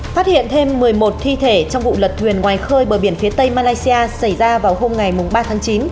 phát hiện thêm một mươi một thi thể trong vụ lật thuyền ngoài khơi bờ biển phía tây malaysia xảy ra vào hôm ngày ba tháng chín